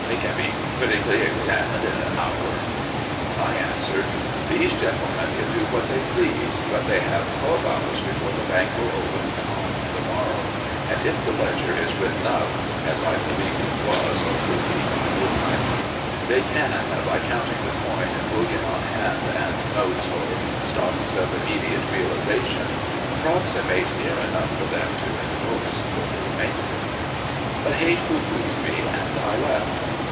can be critically examined in an hour?" I answered: "These gentlemen can do what they please, but they have twelve hours before the bank will open on the morrow, and if the ledger is written up" (as I believed it was or could be by midnight), "they can (by counting the coin, bullion on hand, and notes or stocks of immediate realization) approximate near enough for them to indorse for the remainder." But Height pooh poohed me, and I left.